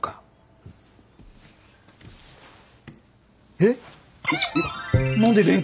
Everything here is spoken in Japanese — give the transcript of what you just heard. えっ？